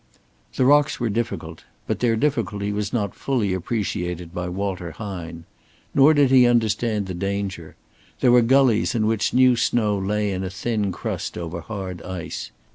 The rocks were difficult, but their difficulty was not fully appreciated by Walter Hine. Nor did he understand the danger. There were gullies in which new snow lay in a thin crust over hard ice.